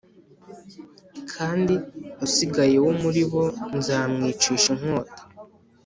kandi usigaye wo muri bo nzamwicisha inkota